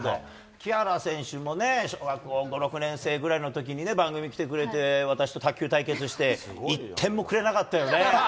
木原選手もね、小学校５、６年生ぐらいのときに、番組来てくれて、私と卓球対決して、１点もくれなかったよね。